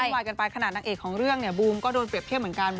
ว่ายกันไปขนาดนางเอกของเรื่องเนี่ยบูมก็โดนเปรียบเทียบเหมือนกัน